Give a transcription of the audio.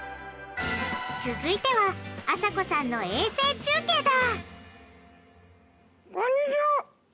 続いてはあさこさんの衛星中継だ！